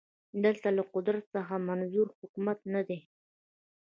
دلته له قدرت څخه منظور حکومت نه دی